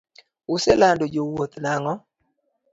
Usando jo wuoth nang'o.